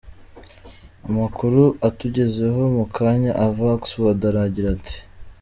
Amakuru atugezeho mu kanya ava Oxford aragira ati: